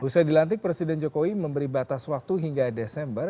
usai dilantik presiden jokowi memberi batas waktu hingga desember